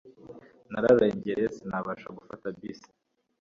Nararengereye sinabasha gufata bisi